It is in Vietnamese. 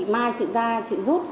mai chị ra chị rút